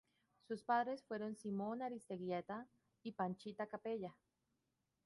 Sus padres fueron Simón Aristeguieta y Panchita Capella.